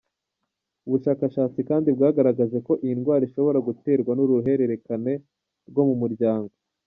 Ubushakashatsi kandi bwagaragaje ko iyi ndwara ishobora guterwa n’uruhererekane rwo mu muryango.